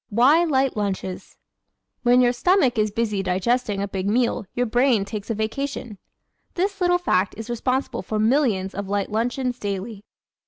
Why Light Lunches ¶ When your stomach is busy digesting a big meal your brain takes a vacation. This little fact is responsible for millions of light luncheons daily.